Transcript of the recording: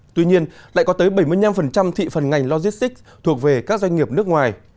tuy nhiên lại có tới bảy mươi năm thị phần ngành logistics thuộc về các doanh nghiệp nước ngoài